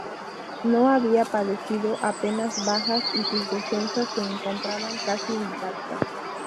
No había padecido apenas bajas y sus defensas se encontraban casi intactas.